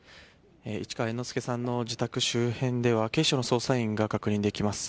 市川猿之助さんの自宅周辺では警視庁の捜査員が確認できます。